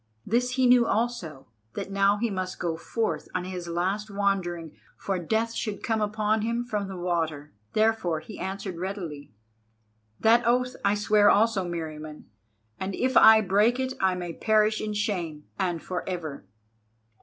This he knew also, that now he must go forth on his last wandering, for Death should come upon him from the water. Therefore he answered readily: "That oath I swear also, Meriamun, and if I break it may I perish in shame and for ever."